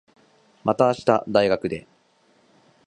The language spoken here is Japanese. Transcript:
また明日、大学で。